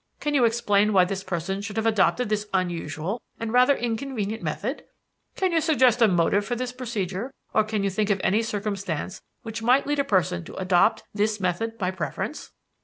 Can you explain why this person should have adopted this unusual and rather inconvenient method? Can you suggest a motive for this procedure, or can you think of any circumstances which might lead a person to adopt this method by preference?"